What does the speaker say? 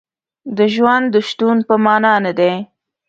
د ژوند د شتون په معنا نه دی.